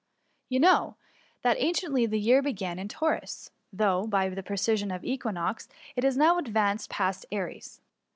You know, that apciently the year began in Taurus, though, by the precession of the equinox, it has now advanced past Aries.